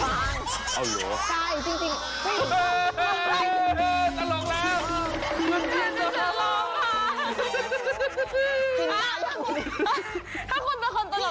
ถ้าควรเป็นคนตลกจริงจะก็ต้องมีเรื่องตลกให้ฝั่งพวกเรา